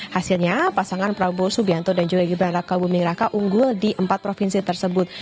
hasilnya pasangan prabowo subianto dan juga gibraltar kabupaten mingraka unggul di empat provinsi tersebut